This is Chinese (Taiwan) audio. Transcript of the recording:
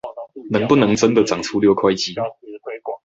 能不能真的長出六塊肌